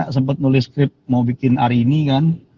sempet nulis skrip mau bikin hari ini kan